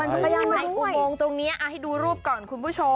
ในอุโมงตรงนี้เอาให้ดูรูปก่อนคุณผู้ชม